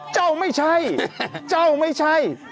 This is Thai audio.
ไม่ใช่เจ้าไม่ใช่